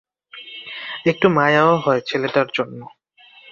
একটু মায়াও হয় ছেলেটার জন্য।